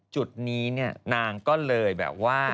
จุดนี้นางก็เลยแบบว่า